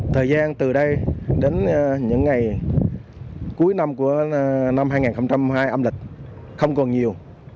thời gian từ đây đến những ngày cuối năm của năm hai nghìn hai âm lịch không còn nhiều